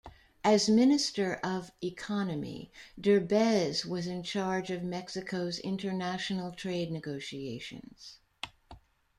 As Minister of Economy, Derbez was in charge of Mexico's international trade negotiations.